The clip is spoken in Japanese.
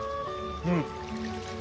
うん。